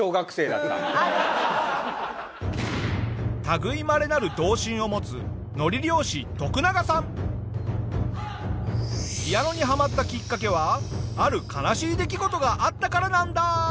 類いまれなるピアノにハマったきっかけはある悲しい出来事があったからなんだ。